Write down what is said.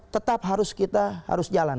tetap harus kita harus jalan